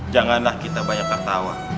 janganlah kita banyak tertawa